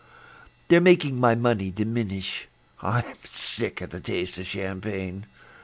They're making my money diminish; I'm sick of the taste of champagne.